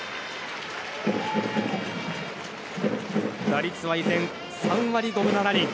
打率は依然３割５分７厘。